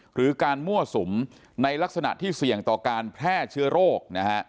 หรือการมั่วสุมในลักษณะที่เสี่ยงต่อการแพร่เชื้อโรคนะฮะ